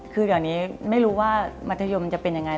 คือเดี๋ยวนี้ไม่รู้ว่ามัธยมจะเป็นยังไง